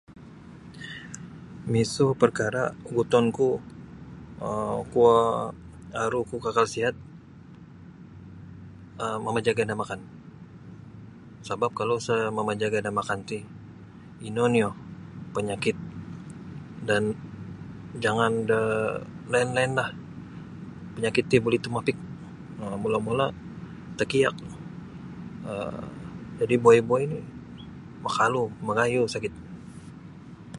Miso perkara guton ku um kuo aru ku kakal siat um mamajaga da makan sabab kalau isa mamajaga da makan ti ino nio penyakit dan jangan da lain-lainlah panyakit ti buli tumapik um mula-mula takiak um jadi buai-buai ni' makalu magayu sakitnyo.